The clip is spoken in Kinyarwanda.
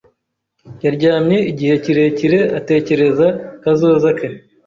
Yaryamye igihe kirekire, atekereza kazoza ke.